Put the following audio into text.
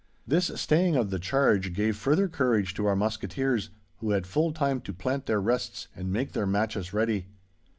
This staying of the charge gave further courage to our musketeers, who had full time to plant their rests and make their matches ready.